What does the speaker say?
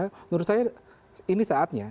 menurut saya ini saatnya